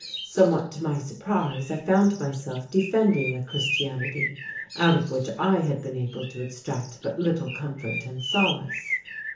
Somewhat to my surprise I found myself defending a Christianity out of which I had been able to extract but little comfort and solace.